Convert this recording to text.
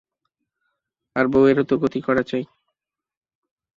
আর বউয়েরও তো গতি করা চাই।